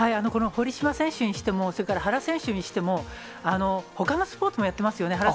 この堀島選手にしても、それから原選手にしても、ほかのスポーツもやってますよね。